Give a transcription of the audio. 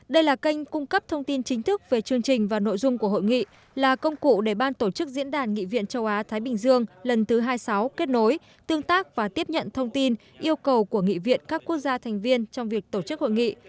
đây là kênh cung cấp thông tin chính thức về chương trình và nội dung của hội nghị là công cụ để ban tổ chức diễn đàn nghị viện châu á thái bình dương lần thứ hai mươi sáu kết nối tương tác và tiếp nhận thông tin yêu cầu của nghị viện các quốc gia thành viên trong việc tổ chức hội nghị